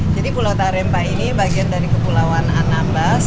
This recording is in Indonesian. jadi pulau tarempa ini bagian dari kepulauan anambas